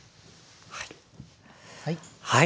はい。